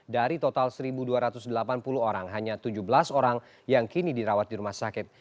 dari total satu dua ratus delapan puluh orang hanya tujuh belas orang yang kini dirawat di rumah sakit